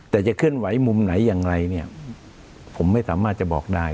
แต่จะเคลื่อนไหวมุมไหนอย่างไรเนี่ยผมไม่สามารถจะบอกได้